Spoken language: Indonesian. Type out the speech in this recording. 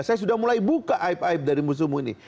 saya sudah mulai buka aib aib dari musuhmu ini